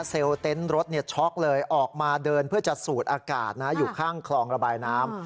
เต็นต์รถช็อกเลยออกมาเดินเพื่อจะสูดอากาศอยู่ข้างคลองระบายน้ำ